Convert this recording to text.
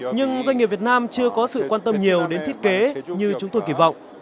nhưng doanh nghiệp việt nam chưa có sự quan tâm nhiều đến thiết kế như chúng tôi kỳ vọng